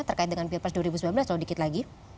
terkait dengan pilpres dua ribu sembilan belas kalau dikit lagi